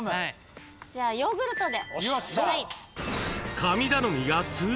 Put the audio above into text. じゃあヨーグルトで。